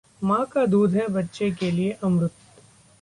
मां का दूध है बच्चे के लिए अमृत